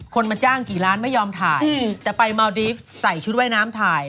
คนมาจ้างกี่ล้านไม่ยอมถ่ายแต่ไปเมาดีฟใส่ชุดว่ายน้ำถ่าย